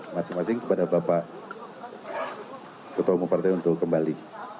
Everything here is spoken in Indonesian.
masing masing kepada bapak ketua umum partai untuk kembali